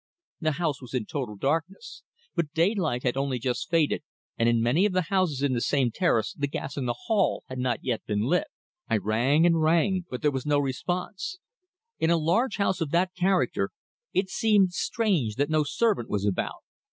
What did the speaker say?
The house was in total darkness, but daylight had only just faded, and in many of the houses in the same terrace the gas in the hall had not yet been lit. I rang and rang, but there was no response. In a large house of that character it seemed strange that no servant was about.